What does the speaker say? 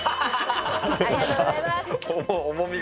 ありがとうございます。